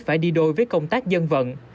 phải đi đôi với công tác dân vận